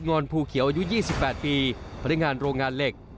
อนภูเขียวอายุ๒๘ปีพนักงานโรงงานเหล็ก